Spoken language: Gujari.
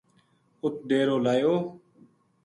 اُت ڈیرو لا لِیو